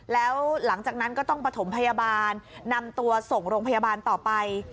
แล้วหลังจากนั้นก็ต้องประถมพยาบาลนำตัวส่งโรงพยาบาลต่อไป